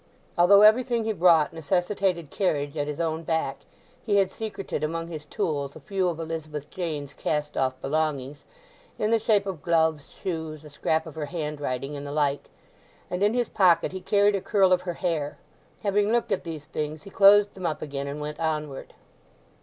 Although everything he brought necessitated carriage at his own back, he had secreted among his tools a few of Elizabeth Jane's cast off belongings, in the shape of gloves, shoes, a scrap of her handwriting, and the like, and in his pocket he carried a curl of her hair. Having looked at these things he closed them up again, and went onward.